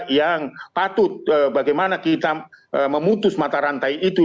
yang patut bagaimana kita memutus mata rantai itu